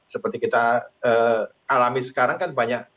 seperti kita alami sekarang kan banyak